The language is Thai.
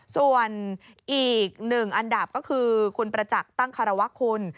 ส่วนอีกหนึ่งอันดับก็คือคุณประจักษ์ตั้งคารวะคุณ